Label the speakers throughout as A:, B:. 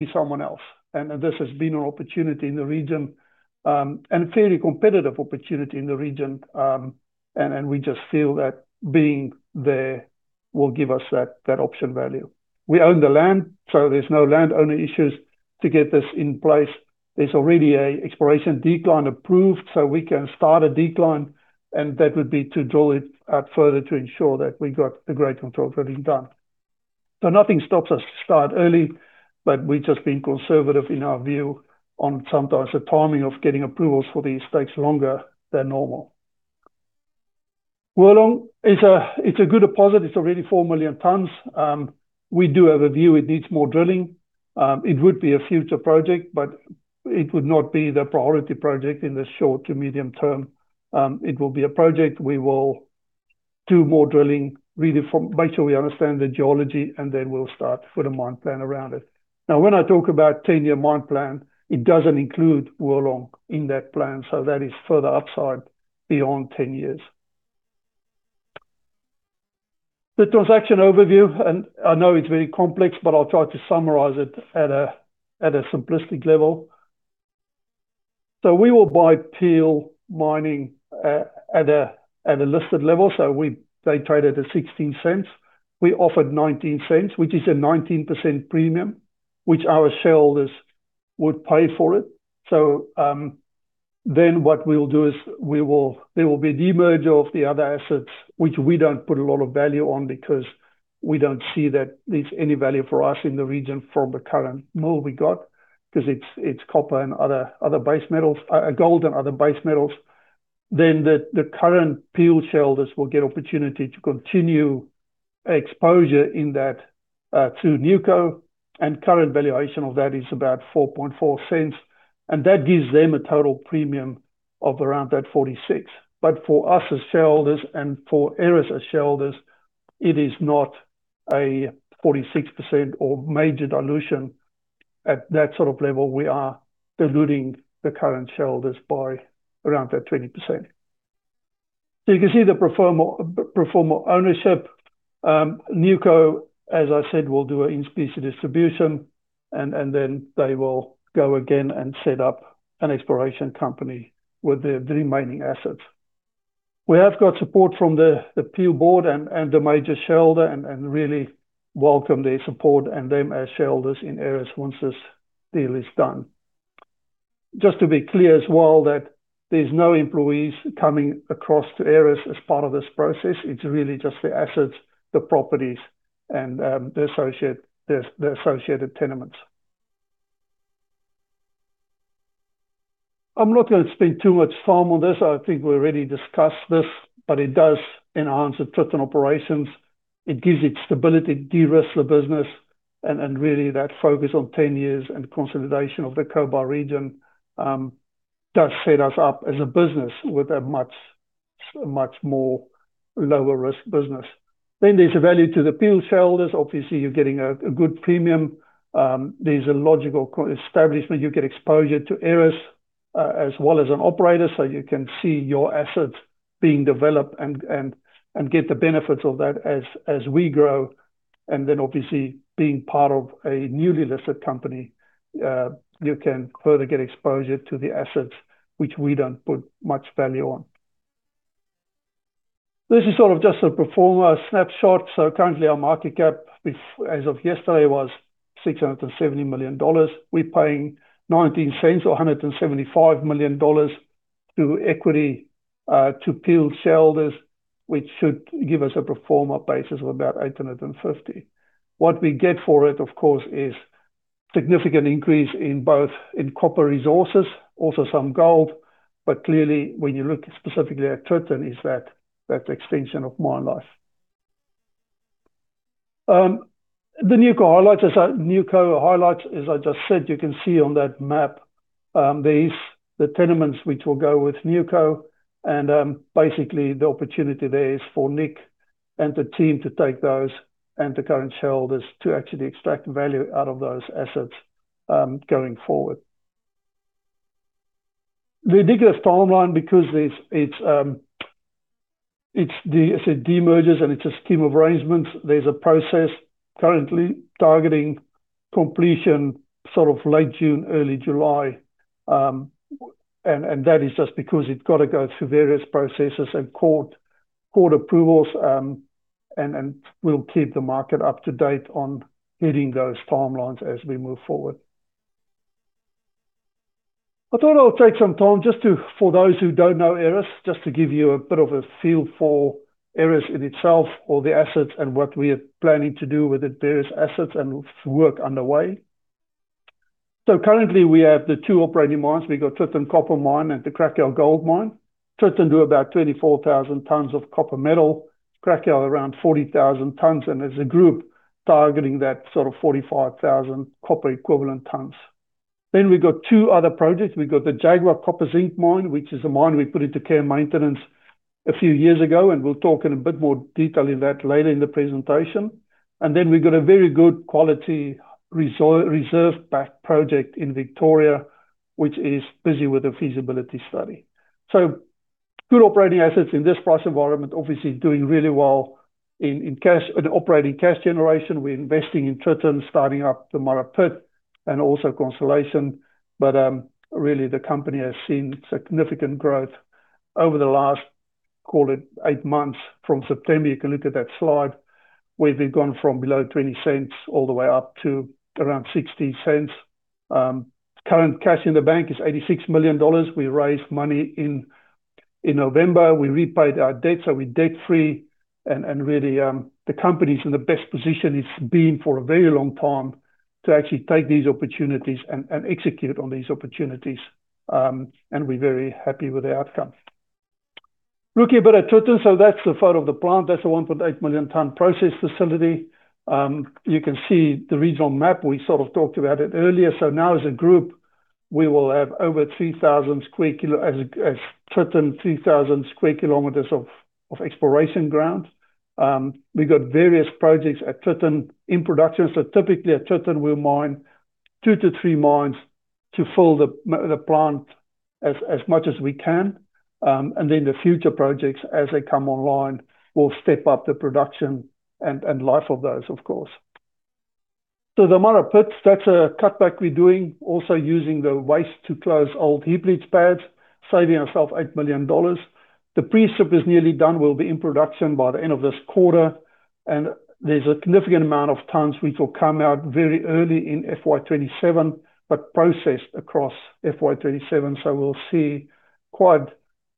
A: be someone else. And this has been an opportunity in the region, and a fairly competitive opportunity in the region. And, and we just feel that being there will give us that, that option value. We own the land, so there's no landowner issues to get this in place. There's already a exploration decline approved, so we can start a decline, and that would be to draw it out further to ensure that we got the grade control drilling done. So nothing stops us to start early, but we've just been conservative in our view on sometimes the timing of getting approvals for these takes longer than normal. Wirlong is a, it's a good deposit. It's already 4 million tons. We do have a view it needs more drilling. It would be a future project, but it would not be the priority project in the short to medium term. It will be a project. We will do more drilling, really to make sure we understand the geology, and then we'll start to put a mine plan around it. Now, when I talk about 10-year mine plan, it doesn't include Wirlong in that plan, so that is further upside beyond 10 years. The transaction overview, and I know it's very complex, but I'll try to summarize it at a simplistic level. So we will buy Peel Mining at a listed level. So we – they traded at 0.16. We offered 0.19, which is a 19% premium, which our shareholders would pay for it. So, then what we'll do is there will be a demerger of the other assets, which we don't put a lot of value on because we don't see that there's any value for us in the region from the current mill we got, 'cause it's, it's copper and other, other base metals, gold and other base metals. Then the, the current Peel shareholders will get opportunity to continue exposure in that, to NuCo, and current valuation of that is about 0.044, and that gives them a total premium of around that 46%. But for us as shareholders and for Aeris as shareholders, it is not a 46% or major dilution. At that sort of level, we are diluting the current shareholders by around that 20%. So you can see the pro forma, pro forma ownership. NuCo, as I said, will do an in-specie distribution, and then they will go again and set up an exploration company with their remaining assets. We have got support from the Peel board and the major shareholder, and really welcome their support and them as shareholders in Aeris once this deal is done. Just to be clear as well, that there's no employees coming across to Aeris as part of this process. It's really just the assets, the properties, and the associated tenements. I'm not gonna spend too much time on this. I think we already discussed this, but it does enhance the Tritton operations. It gives it stability, de-risk the business, and really that focus on ten years and consolidation of the Cobar region does set us up as a business with a much, much more lower-risk business. Then there's a value to the Peel shareholders. Obviously, you're getting a good premium. There's a logical co-establishment. You get exposure to Aeris as well as an operator, so you can see your assets being developed and get the benefits of that as we grow. And then, obviously, being part of a newly listed company, you can further get exposure to the assets, which we don't put much value on. This is sort of just a pro forma snapshot. So currently, our market cap as of yesterday was 670 million dollars. We're paying 0.19 or 175 million dollars to equity to Peel shareholders, which should give us a pro forma basis of about 850 million. What we get for it, of course, is significant increase in both in copper resources, also some gold. But clearly, when you look specifically at Tritton, is that, that extension of mine life. The NuCo highlights, as I just said, you can see on that map, there is the tenements which will go with NuCo. And, basically, the opportunity there is for Nick and the team to take those and the current shareholders to actually extract value out of those assets, going forward. We did give a timeline because there's, it's, it's the, it's a demerger and it's a scheme of arrangements. There's a process currently targeting completion sort of late June, early July. And, and that is just because it's got to go through various processes and court, court approvals. And we'll keep the market up to date on hitting those timelines as we move forward. I thought I'll take some time just to, for those who don't know Aeris, just to give you a bit of a feel for Aeris in itself or the assets and what we are planning to do with the various assets and work underway. Currently, we have the two operating mines. We got Tritton Copper Mine and the Cracow Gold Mine. Tritton do about 24,000 tons of copper metal, Cracow around 40,000 tons, and as a group, targeting that sort of 45,000 copper equivalent tons. We got two other projects. We got the Jaguar Copper Zinc Mine, which is a mine we put into care and maintenance a few years ago, and we'll talk in a bit more detail in that later in the presentation. Then we got a very good quality reserve-backed project in Victoria, which is busy with a feasibility study. Good operating assets in this price environment, obviously doing really well in cash, in operating cash generation. We're investing in Tritton, starting up the Murrawombie and also Constellation. But really the company has seen significant growth over the last, call it, 8 months from September. You can look at that slide, where we've gone from below 0.20 all the way up to around 0.60. Current cash in the bank is 86 million dollars. We raised money in November. We repaid our debt, so we're debt-free and really the company's in the best position it's been for a very long time to actually take these opportunities and execute on these opportunities. And we're very happy with the outcome. Looking a bit at Tritton, so that's the photo of the plant. That's a 1.8 million ton process facility. You can see the regional map. We sort of talked about it earlier. So now as a group, we will have over 3,000 square kilometers of exploration ground. We've got various projects at Tritton in production. So typically, at Tritton, we'll mine 2-3 mines to fill the plant as much as we can. And then the future projects as they come online, will step up the production and life of those, of course. So the Murrawombie, that's a cutback we're doing, also using the waste to close old heap leach pads, saving ourselves 8 million dollars. The pre-strip is nearly done. We'll be in production by the end of this quarter, and there's a significant amount of tons, which will come out very early in FY 2027, but processed across FY 2027. So we'll see quite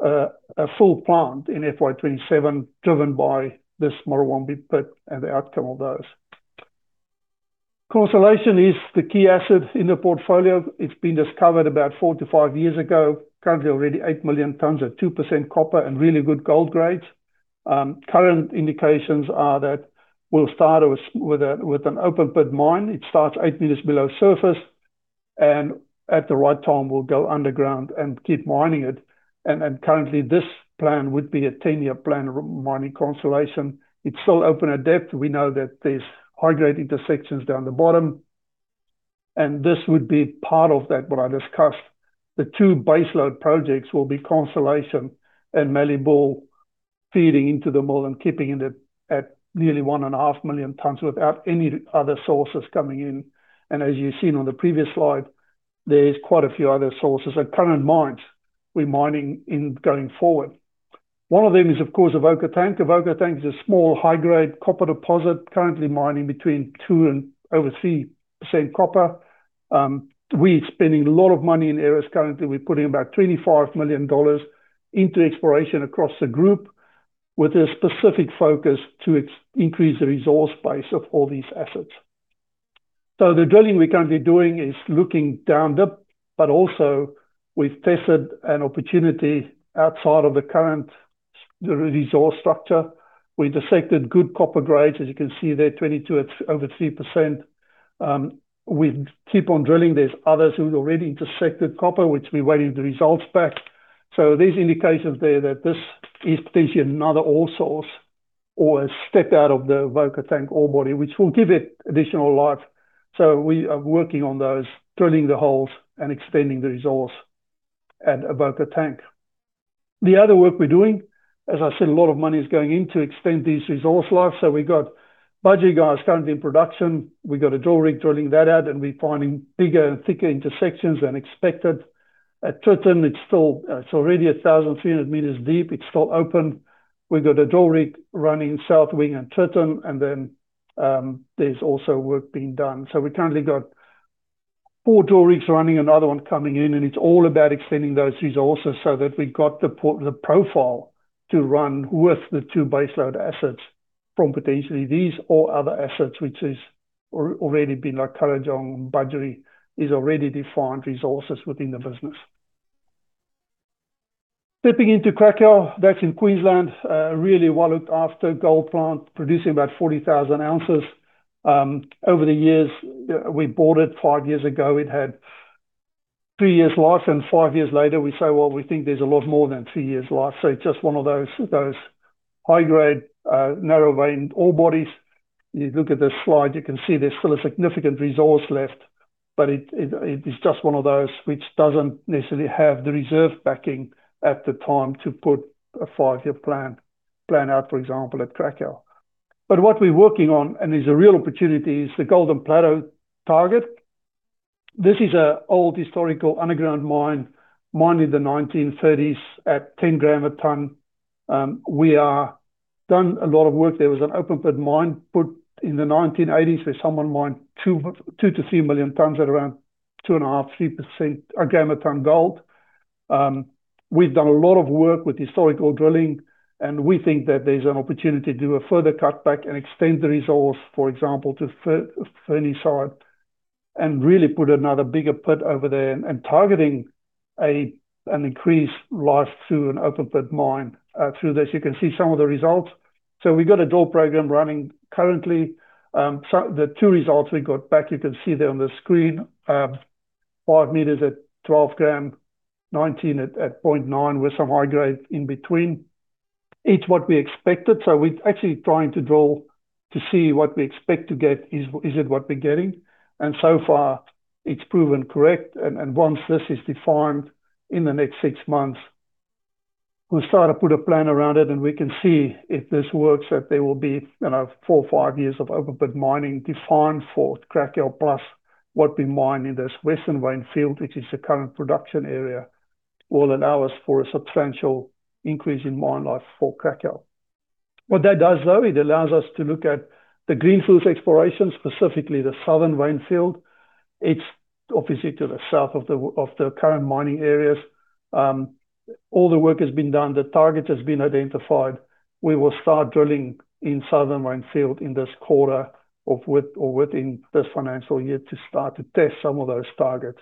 A: a full plant in FY 2027, driven by this Murrawombie pit and the outcome of those. Constellation is the key asset in the portfolio. It's been discovered about 4-5 years ago. Currently, already 8 million tons at 2% copper and really good gold grades. Current indications are that we'll start with an open pit mine. It starts 8 meters below surface, and at the right time, we'll go underground and keep mining it. Currently, this plan would be a 10-year plan mining Constellation. It's still open at depth. We know that there's high-grade intersections down the bottom, and this would be part of that, what I discussed. The two baseload projects will be Constellation and Mallee Bull feeding into the mill and keeping it at nearly 1.5 million tons without any other sources coming in. As you've seen on the previous slide, there's quite a few other sources at current mines we're mining in going forward. One of them is, of course, Avoca Tank. Avoca Tank is a small, high-grade copper deposit, currently mining between 2% and over 3% copper. We're spending a lot of money in areas. Currently, we're putting about 25 million dollars into exploration across the group, with a specific focus to increase the resource base of all these assets. So the drilling we're currently doing is looking down dip, but also we've tested an opportunity outside of the current, the resource structure. We intersected good copper grades, as you can see there, 22 over 3%. We keep on drilling. There's others who've already intersected copper, which we're waiting the results back. So there's indications there that this is potentially another ore source or a step out of the Avoca Tank ore body, which will give it additional life. So we are working on those, drilling the holes and extending the resource at Avoca Tank. The other work we're doing, as I said, a lot of money is going in to extend this resource life. So we got Budgerygar currently in production. We got a drill rig drilling that out, and we're finding bigger and thicker intersections than expected. At Tritton, it's still, it's already 1,300 meters deep. It's still open. We've got a drill rig running South Wing and Tritton, and then, there's also work being done. So we currently got 4 drill rigs running, another one coming in, and it's all about extending those resources so that we've got the port- the profile to run with the two baseload assets from potentially these or other assets, which is al- already been, like, Kurrajong, Budgery, is already defined resources within the business. Stepping into Cracow, that's in Queensland. Really well-looked-after gold plant, producing about 40,000 ounces. Over the years, we bought it 5 years ago, it had 3 years life, and 5 years later, we say, "Well, we think there's a lot more than 3 years life." So it's just one of those high-grade narrow vein ore bodies. You look at the slide, you can see there's still a significant resource left, but it is just one of those which doesn't necessarily have the reserve backing at the time to put a 5-year plan out, for example, at Cracow. But what we're working on, and is a real opportunity, is the Golden Plateau target. This is an old historical underground mine, mined in the 1930s at 10 gram a ton. We've done a lot of work. There was an open-pit mine put in the 1980s, so someone mined 2-3 million tons at around 2.5-3% a gram a ton gold. We've done a lot of work with historical drilling, and we think that there's an opportunity to do a further cutback and extend the resource, for example, to Furney Side, and really put another bigger pit over there and targeting an increased life to an open-pit mine through this. You can see some of the results. So we got a drill program running currently. So the two results we got back, you can see there on the screen, 5 meters at 12 gram, 19 at 0.9, with some high grade in between. It's what we expected, so we're actually trying to drill to see what we expect to get. And so far, it's proven correct, and once this is defined in the next six months, we'll start to put a plan around it and we can see if this works, that there will be, you know, four or five years of open pit mining defined for Cracow, plus what we mine in this Western Mine Field, which is the current production area, will allow us for a substantial increase in mine life for Cracow. What that does, though, it allows us to look at the greenfields exploration, specifically the Southern Mine Field. It's obviously to the south of the current mining areas. All the work has been done, the target has been identified. We will start drilling in Southern Mine Field in this quarter or within this financial year to start to test some of those targets.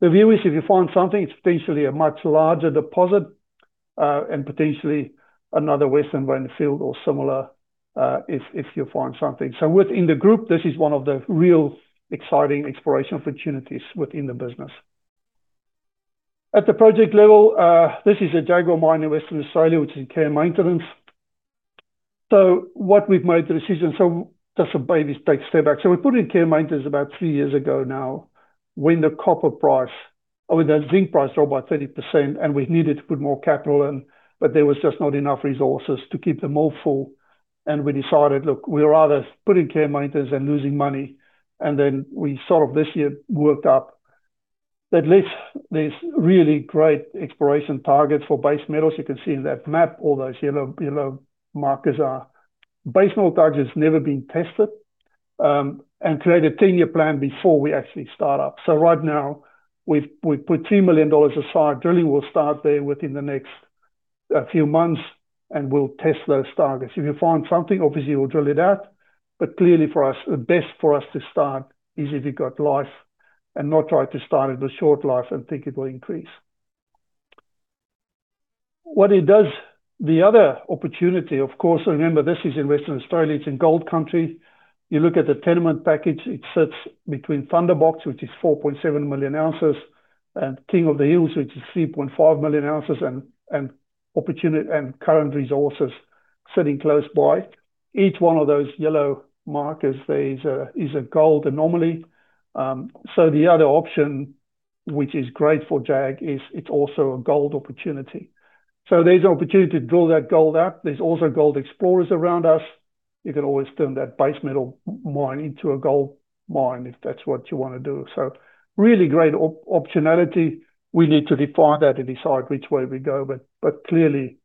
A: The view is, if you find something, it's potentially a much larger deposit, and potentially another western mine field or similar, if, if you find something. So within the group, this is one of the real exciting exploration opportunities within the business. At the project level, this is a Jaguar Mine in Western Australia, which is in care and maintenance. So what we've made the decision, so just so maybe take a step back. So we put it in care and maintenance about three years ago now, when the copper price... or when the zinc price dropped by 30%, and we needed to put more capital in, but there was just not enough resources to keep them all full. And we decided, look, we'd rather put in care and maintenance than losing money. And then we sort of this year worked up. That left this really great exploration target for base metals. You can see in that map, all those yellow, yellow markers are base metal targets never been tested, and create a 10-year plan before we actually start up. So right now, we've put 2 million dollars aside. Drilling will start there within the next few months, and we'll test those targets. If you find something, obviously we'll drill it out, but clearly for us, the best for us to start is if you got life, and not try to start with a short life and think it will increase. What it does, the other opportunity, of course, remember, this is in Western Australia, it's in gold country. You look at the tenement package, it sits between Thunderbox, which is 4.7 million ounces, and King of the Hills, which is 3.5 million ounces, and opportunity and current resources sitting close by. Each one of those yellow markers there is a gold anomaly. So the other option, which is great for JAG, is it's also a gold opportunity. So there's an opportunity to draw that gold out. There's also gold explorers around us. You can always turn that base metal mine into a gold mine if that's what you wanna do. So really great optionality. We need to define that and decide which way we go, but clearly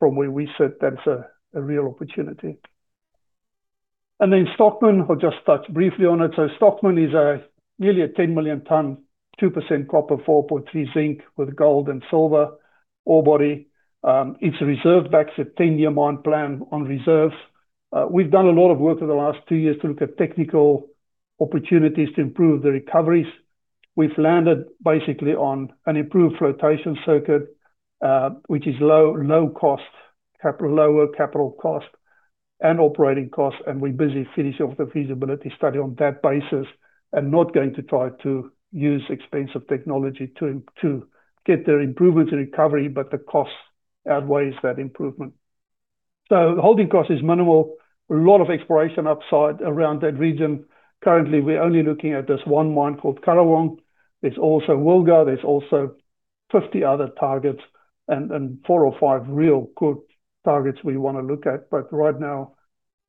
A: from where we sit, that's a real opportunity. And then Stockman, I'll just touch briefly on it. So Stockman is nearly a 10 million ton, 2% copper, 4.3% zinc, with gold and silver ore body. It's a reserves base, a 10-year mine plan on reserves. We've done a lot of work in the last two years to look at technical opportunities to improve the recoveries. We've landed basically on an improved flotation circuit, which is low, low cost capital, lower capital cost and operating costs, and we're busy finishing off the feasibility study on that basis, and not going to try to use expensive technology to get the improvement and recovery, but the cost outweighs that improvement. So holding cost is minimal. A lot of exploration upside around that region. Currently, we're only looking at this one mine called Krajong. There's also Wilga, there's also 50 other targets, and four or five real good targets we wanna look at. But right now,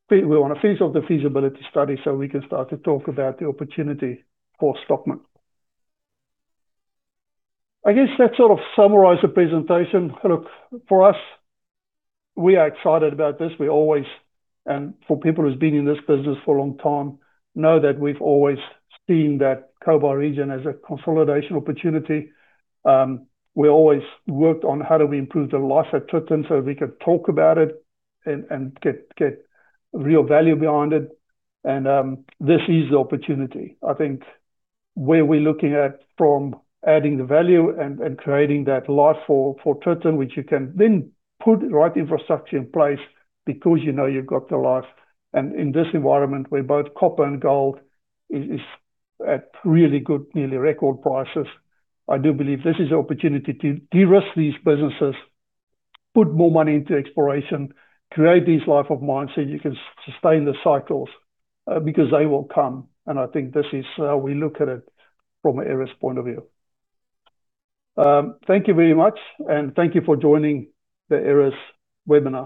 A: we wanna finish off the feasibility study so we can start to talk about the opportunity for Stockman. I guess that sort of summarizes the presentation. Look, for us, we are excited about this. We always... and for people who's been in this business for a long time, know that we've always seen that Cobar region as a consolidation opportunity. We always worked on how do we improve the life at Tritton, so we could talk about it and get real value behind it, and this is the opportunity. I think where we're looking at from adding the value and creating that life for Tritton, which you can then put right infrastructure in place because you know you've got the life. And in this environment, where both copper and gold is at really good, nearly record prices, I do believe this is an opportunity to de-risk these businesses, put more money into exploration, create this life of mine so you can sustain the cycles, because they will come, and I think this is how we look at it from an Aeris point of view. Thank you very much, and thank you for joining the Aeris webinar.